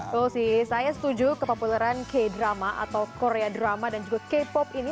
tuh sih saya setuju kepopuleran k drama atau korea drama dan juga k pop ini